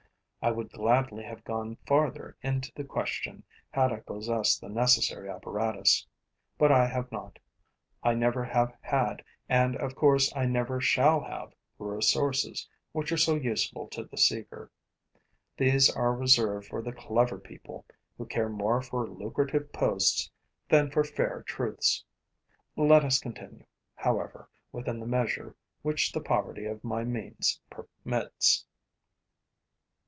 I would gladly have gone farther into the question, had I possessed the necessary apparatus. But I have not, I never have had and of course I never shall have the resources which are so useful to the seeker. These are reserved for the clever people who care more for lucrative posts than for fair truths. Let us continue, however, within the measure which the poverty of my means permits.